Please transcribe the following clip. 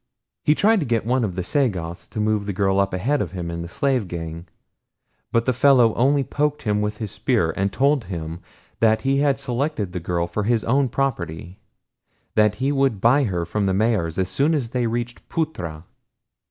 He tried to get one of the Sagoths to move the girl up ahead of him in the slave gang, but the fellow only poked him with his spear and told him that he had selected the girl for his own property that he would buy her from the Mahars as soon as they reached Phutra.